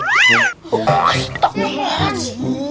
tak mau ngeliat sih